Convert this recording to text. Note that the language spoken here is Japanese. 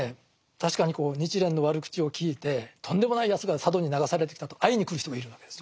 確かに日蓮の悪口を聞いてとんでもないやつが佐渡に流されてきたと会いに来る人がいるわけです。